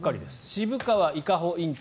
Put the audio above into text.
渋川伊香保ＩＣ